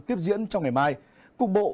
tiếp diễn trong ngày mai cục bộ